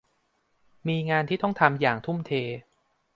มีงานที่ต้องทำอย่างทุ่มเท